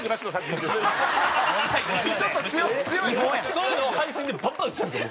そういうのを配信でバンバン言ってたんですよ